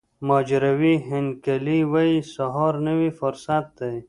مارجوري هینکلي وایي سهار نوی فرصت دی.